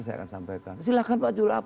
saya akan sampaikan silahkan pak jokowi apa